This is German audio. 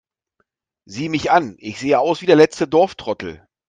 Sieh mich an, ich sehe aus wie der letzte Dorftrottel!